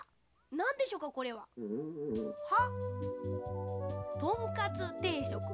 なんでしょうかこれは？は？